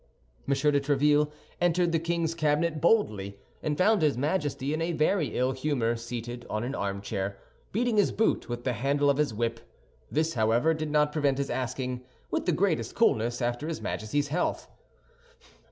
M. de Tréville entered the king's cabinet boldly, and found his Majesty in a very ill humor, seated on an armchair, beating his boot with the handle of his whip. This, however, did not prevent his asking, with the greatest coolness, after his Majesty's health.